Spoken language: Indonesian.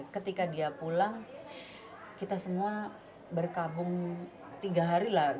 ketika dia pulang kita semua berkabung tiga hari lah